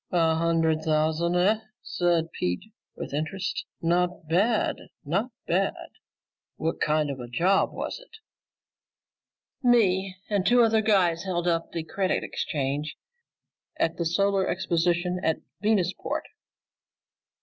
"A hundred thousand, eh?" said Pete with interest. "Not bad, not bad. What kind of a job was it?" "Me and two other guys held up the Credit Exchange at the Solar Exposition at Venusport."